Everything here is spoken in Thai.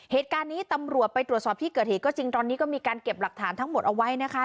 เหตุการณ์นี้ตำรวจไปตรวจสอบที่เกิดเหตุก็จริงตอนนี้ก็มีการเก็บหลักฐานทั้งหมดเอาไว้นะคะ